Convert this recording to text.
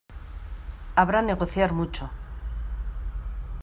Habrá negociar mucho.